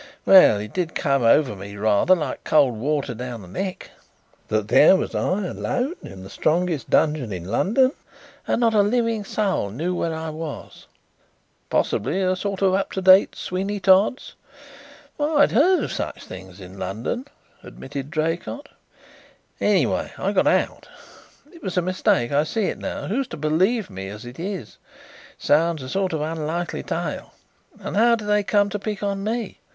Well, it did come over me rather like cold water down the neck, that there was I alone in the strongest dungeon in London and not a living soul knew where I was." "Possibly a sort of up to date Sweeney Todd's?" "I'd heard of such things in London," admitted Draycott. "Anyway, I got out. It was a mistake; I see it now. Who is to believe me as it is it sounds a sort of unlikely tale. And how do they come to pick on me?